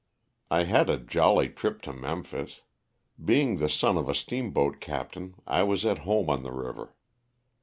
I had a jolly trip to Mem phis. Being the son of a steamboat captain I was at home on the river.